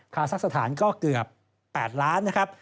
คาซักสถานก็เกือบ๘ล้านนะครับ